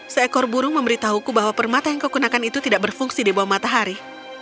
seekor burung memberitahuku bahwa permata yang kau gunakan itu tidak berfungsi di bawah matahari